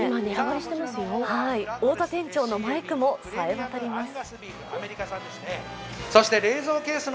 太田店長のマイクもさえ渡ります。